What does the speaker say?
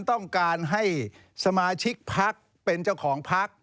ต้องการให้สมาชิกพักเป็นเจ้าของพัก